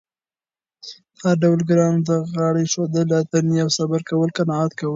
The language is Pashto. هر ډول ګرانو ته غاړه اېښودل، اتیتې او صبر کول، قناعت کول